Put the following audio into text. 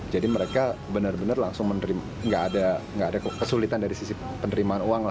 jadi mereka benar benar langsung tidak ada kesulitan dari sisi penerimaan uang